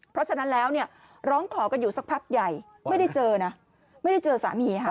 เพราะฉะนั้นแล้วเนี่ยร้องขอกันอยู่สักพักใหญ่ไม่ได้เจอนะไม่ได้เจอสามีค่ะ